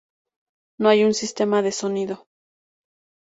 No hay un sistema de sonido.